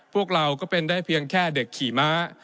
พวกเราก็เป็นได้เพียงแค่เด็กขี่ม้า